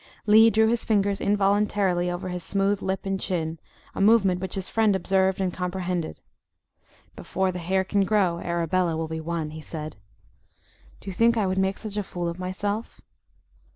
Lee drew his fingers involuntarily over his smooth lip and chin, a movement which his friend observed and comprehended. "Before the hair can grow Arabella will be won," he said. "Do you think I would make such a fool of myself."